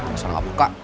rasa gak peka